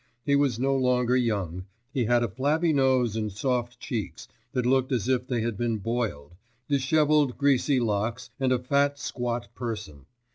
He was no longer young, he had a flabby nose and soft cheeks, that looked as if they had been boiled, dishevelled greasy locks, and a fat squat person.